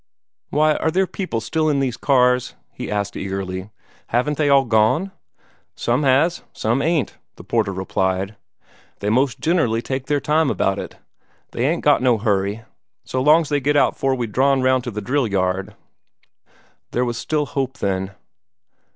"Why, are there people still in these cars?" he asked eagerly. "Haven't they all gone?" "Some has; some ain't," the porter replied. "They most generally take their time about it. They ain't no hurry, so long's they get out 'fore we're drawn round to the drill yard." There was still hope, then.